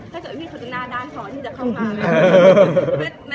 ถ้าเกิดพี่เขาจะหน้าด้านพอที่จะเข้ามาเลย